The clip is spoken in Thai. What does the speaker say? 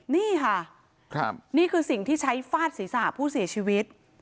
นี่ค่ะนี่คือสิ่งที่ใช้ฟาดศีรษะผู้เสียชีวิต